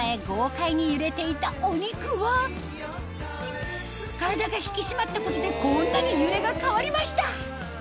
豪快に揺れていたお肉は体が引き締まったことでこんなに揺れが変わりました